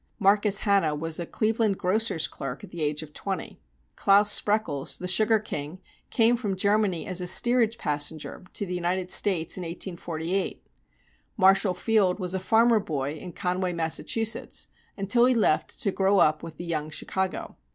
Marcus Hanna was a Cleveland grocer's clerk at the age of twenty. Claus Spreckles, the sugar king, came from Germany as a steerage passenger to the United States in 1848. Marshall Field was a farmer boy in Conway, Massachusetts, until he left to grow up with the young Chicago.